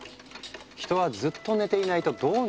「人はずっと寝ていないとどうなるのか？」